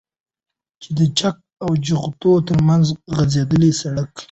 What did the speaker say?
چې د چك او جغتو ترمنځ غځېدلى سړك